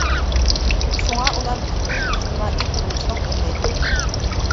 شۇڭا ئۇلار پۈتكۈل ئىجتىمائىي تۇرمۇشنىڭ ئوقى.